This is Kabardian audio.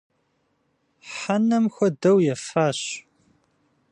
Хьэнэм хуэдэу ефащ.